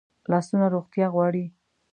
لاسونه روغتیا غواړي